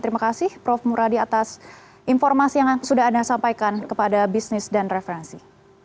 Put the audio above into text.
terima kasih prof muradi atas informasi yang sudah anda sampaikan kepada bisnis dan referensi